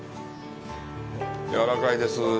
やわらかいです。